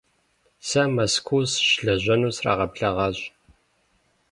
Сэ Мэзкуу сыщылэжьэну срагъэблэгъащ.